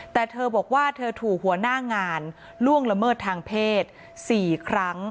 แต่เธอบอกว่าเธอถูกหัวหน้างานล่วงละเมิดทางเพศ๔ครั้ง